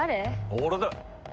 俺だ。